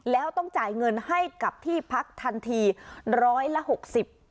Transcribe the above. แล้วต้องจ่ายเงินให้กับที่พักทันทีร้อยละหกสิบ